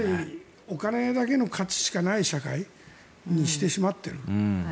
お金だけの価値しかない時代にしてしまってる。